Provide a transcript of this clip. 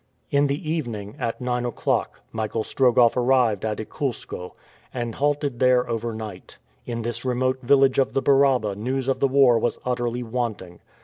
In the evening, at nine o'clock, Michael Strogoff arrived at Ikoulskoe, and halted there over night. In this remote village of the Baraba news of the war was utterly wanting.